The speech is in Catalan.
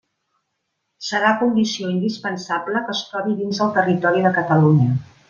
Serà condició indispensable que es trobi dins del territori de Catalunya.